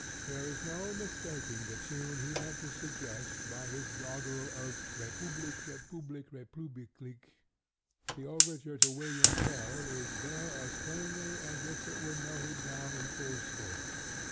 There is no mistaking the tune he meant to suggest by his doggerel of Republik, Republik, Republik lik lik. The Overture to William Tell is there as plainly as if it were noted down in full score.